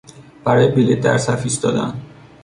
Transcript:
برای بلیت در صف ایستادن